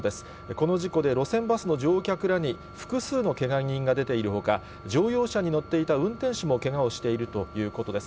この事故で路線バスの乗客らに複数のけが人が出ているほか、乗用車に乗っていた運転手もけがをしているということです。